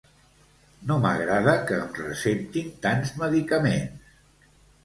No m'agrada que em receptin tants medicaments